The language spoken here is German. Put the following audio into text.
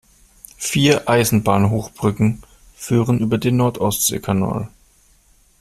Vier Eisenbahnhochbrücken führen über den Nord-Ostsee-Kanal.